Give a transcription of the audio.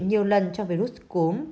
nhiều lần trong virus cúm